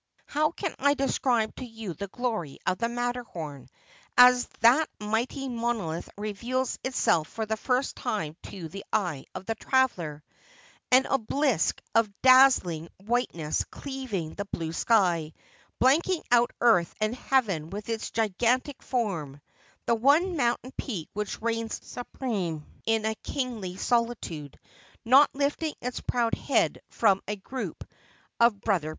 ' How can I describe to you the glory of the Matterhorn, as that mighty monolith reveals itself for the first time to the eye of the traveller V — an obelisk of dazzling whiteness cleaving the blue sky, blanking out earth and heaven with its gigantic form, the one mountain peak which reigns supreme in a kingly solitude, not lifting his proud head from a group of brother 374 Asphodel.